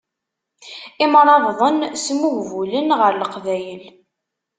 Imṛabḍen smuhbulen ɣer leqbayel.